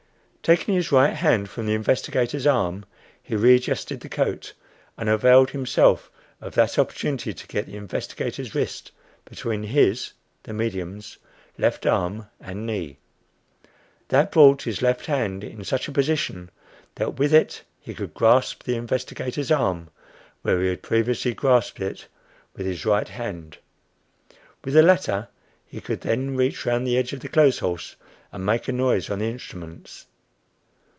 Taking his right hand from the investigator's arm, he readjusted the coat, and availed himself of that opportunity to get the investigator's wrist between his (the medium's) left arm and knee. That brought his left hand in such a position that with it he could grasp the investigator's arm where he had previously grasped it with his right hand. With the latter he could then reach around the edge of the clothes horse and make a noise on the instruments.